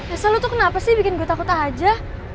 esa lo tuh kenapa sih bikin gue takut aja